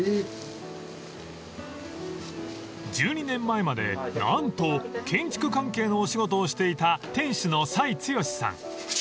［１２年前まで何と建築関係のお仕事をしていた店主の齋豪さん］